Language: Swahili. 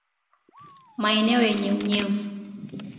Maeneo yenye unyevu